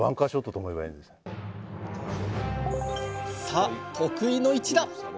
さあ得意の一打！